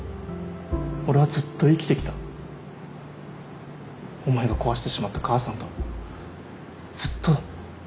俺はずっと生きてきたお前が壊してしまった母さんとずっとだ